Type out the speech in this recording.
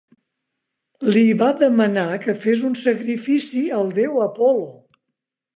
Li va demanar que fes un sacrifici al déu Apol·lo.